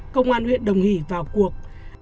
công an huyện đồng hỷ vào cuộc